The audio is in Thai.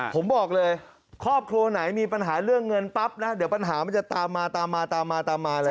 ผมบอกเลยครอบครัวไหนมีปัญหาเรื่องเงินปั๊บนะเดี๋ยวปัญหามันจะตามมาตามมาตามมาตามมาเลย